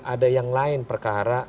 ada yang lain perkara